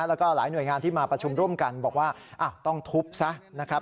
แล้วก็หลายหน่วยงานที่มาประชุมร่วมกันบอกว่าต้องทุบซะนะครับ